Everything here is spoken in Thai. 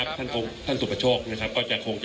คุณผู้ชมไปฟังผู้ว่ารัฐกาลจังหวัดเชียงรายแถลงตอนนี้ค่ะ